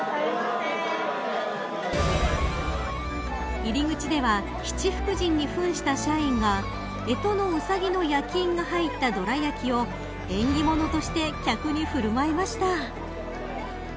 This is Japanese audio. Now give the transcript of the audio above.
入り口では七福神にふんした社員が干支のうさぎの焼き印が入ったどら焼きを縁起物として客に振る舞いました。